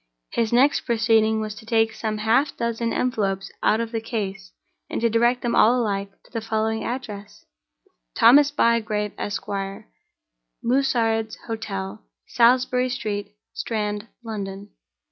His next proceeding was to take some half dozen envelopes out of the case, and to direct them all alike to the following address: "Thomas Bygrave, Esq., Mussared's Hotel, Salisbury Street, Strand, London."